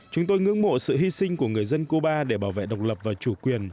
chúng tôi ngưỡng mộ sự hy sinh của người dân cuba để bảo vệ độc lập và chủ quyền